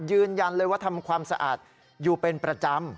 ยืนยันเลยว่าทำความสะอาดอยู่เป็นประจำ